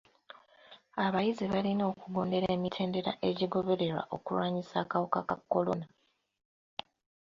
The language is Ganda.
Abayizi balina okugondera emitendera egigobererwa okulwanyisa akawuka ka kolona.